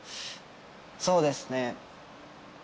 そうですね。